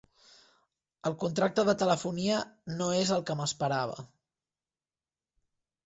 El contracte de telefonia no és el que m'esperava.